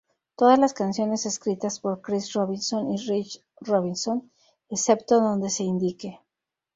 Todas las canciones escritas por Chris Robinson y Rich Robinson, excepto donde se indique.